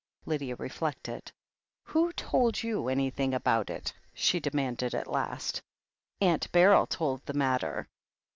Lydia reflected. "Who told you anything about it?" she demanded at last. "Aunt Beryl told the mater."